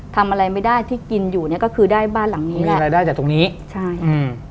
ทำอะไรไม่ได้ที่กินอยู่เนี้ยก็คือได้บ้านหลังนี้มีรายได้จากตรงนี้ใช่อืม